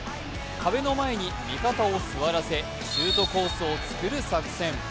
壁の前に味方を座らせシュートコースを作る作戦。